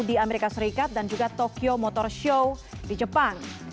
di amerika serikat dan juga tokyo motor show di jepang